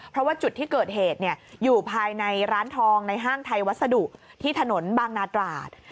เพราะว่าจุดที่เกิดเหตุอยู่ภายในร้านทองในห้างไทยวัสดุที่ถนนบางนาตราด